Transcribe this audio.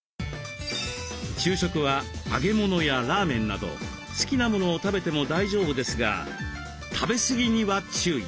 昼食は揚げ物やラーメンなど好きなものを食べても大丈夫ですが食べすぎには注意。